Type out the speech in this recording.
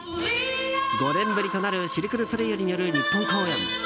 ５年ぶりとなるシルク・ドゥ・ソレイユによる日本公演。